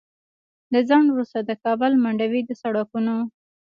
له ځنډ وروسته د کابل منډوي د سړکونو